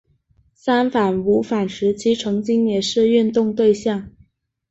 三反五反时期曾经也是运动对象。